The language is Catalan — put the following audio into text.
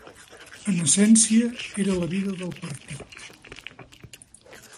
En essència, era la vida del partit.